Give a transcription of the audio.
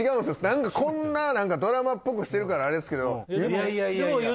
何かこんなドラマっぽくしてるからあれですけどいや